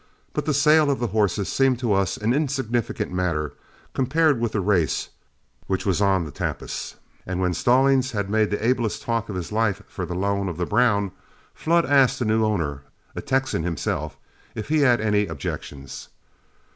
But the sale of the horses seemed to us an insignificant matter, compared with the race which was on the tapis; and when Stallings had made the ablest talk of his life for the loan of the brown, Flood asked the new owner, a Texan himself, if he had any objections.